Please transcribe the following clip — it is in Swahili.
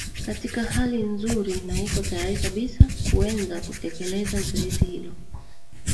katika hali nzuri na iko tayari kabisa kuwenza kutekeleza zoezi hilo